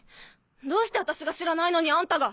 どうして私が知らないのにあんたが！